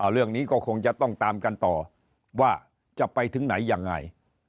เรื่องนี้ก็คงจะต้องตามกันต่อว่าจะไปถึงไหนยังไง